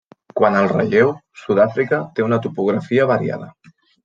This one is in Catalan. Quant al relleu, Sud-àfrica té una topografia variada.